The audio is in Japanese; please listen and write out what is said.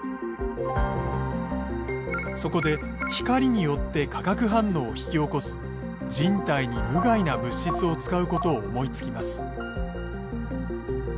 そこで光によって化学反応を引き起こす人体に無害な物質を使うことを思いつきます。